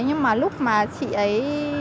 nhưng mà lúc mà chị ấy